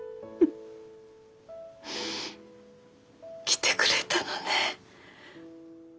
来てくれたのね。